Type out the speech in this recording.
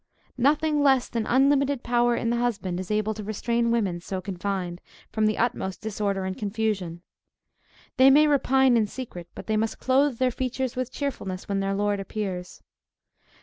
Nothing less than unlimited power in the husband is able to restrain women so confined, from the utmost disorder and confusion. They may repine in secret, but they must clothe their features with cheerfulness when their lord appears.